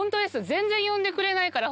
全然呼んでくれないから。